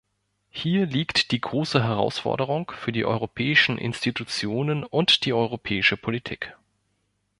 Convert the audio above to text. Hier liegt die große Herausforderung für die europäischen Institutionen und die europäische Politik.